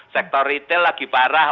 sektor retail lagi parah